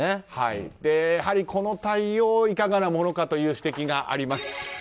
この対応いかがなものかという指摘があります。